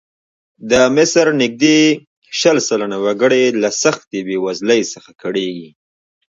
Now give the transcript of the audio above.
د مصر نږدې شل سلنه وګړي له سختې بېوزلۍ څخه کړېږي.